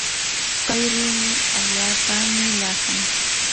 kay rumi allaapami lasan.